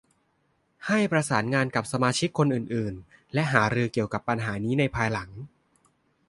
ให้ประสานงานกับสมาชิกคนอื่น ๆ และหารือเกี่ยวกับปัญหานี้ในภายหลัง